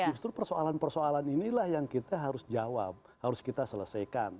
justru persoalan persoalan inilah yang kita harus jawab harus kita selesaikan